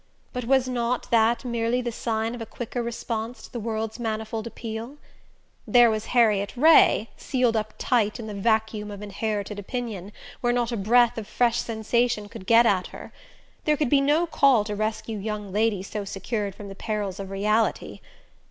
But was not that merely the sign of a quicker response to the world's manifold appeal? There was Harriet Ray, sealed up tight in the vacuum of inherited opinion, where not a breath of fresh sensation could get at her: there could be no call to rescue young ladies so secured from the perils of reality!